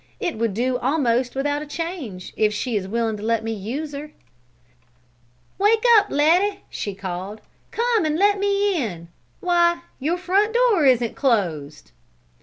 It would do almost without a change, if only she is willing to let me use her." "Wake up, Letty!" she called. "Come and let me in! Why, your front door isn't closed!"